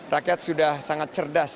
rakyat sudah sangat cerdas